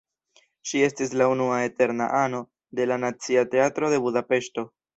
Ŝi estis la unua "eterna ano" de la Nacia Teatro de Budapeŝto.